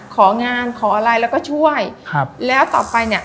ของานขออะไรแล้วก็ช่วยครับแล้วต่อไปเนี้ย